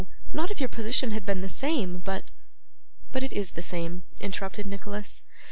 not if your position had been the same, but ' 'But it is the same,' interrupted Nicholas.